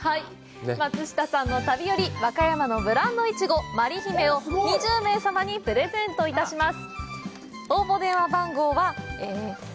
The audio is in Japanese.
松下さんの旅より、和歌山のブランドいちご「まりひめ」を２０名様にプレゼントします。